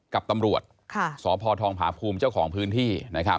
กับตำรวจสพทองผาภูมิเจ้าของพื้นที่